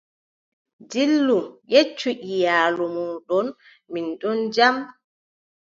Dillu, yeccu iyaluuji mooɗon, min ɗon jam.